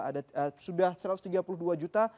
ada sudah satu ratus tiga puluh dua juta